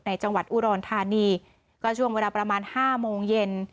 จังหวัดอุดรธานีก็ช่วงเวลาประมาณ๕โมงเย็น